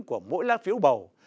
của mỗi lá phiếu bầu